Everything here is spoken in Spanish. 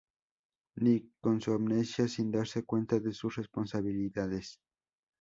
Nick, con la amnesia, sin darse cuenta de sus responsabilidades.